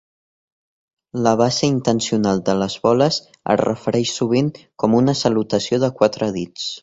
La base intencional de les boles es refereix sovint com una salutació de quatre dits.